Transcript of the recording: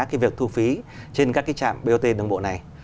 cái việc thu phí trên các cái trạm bot đường bộ này